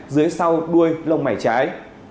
dưới sau đuôi lông mày trái